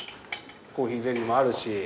コーヒーゼリーもあるし。